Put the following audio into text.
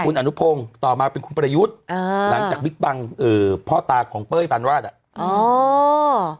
คุณอนุโพงต่อมาเป็นคุณประยุทธ์หลังจากวิกปังพ่อตาของเป้ยปานราชอ่ะ